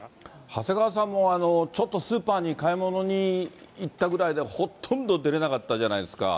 長谷川さんもちょっとスーパーに買い物に行ったぐらいで、ほとんど出れなかったじゃないですか。